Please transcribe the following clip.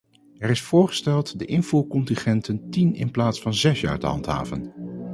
Er is voorgesteld de invoercontingenten tien in plaats van zes jaar te handhaven.